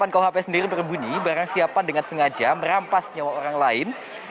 tiga ratus tiga puluh delapan kuhp sendiri berbunyi barang siapan dengan sengaja merampas nyawa orang lain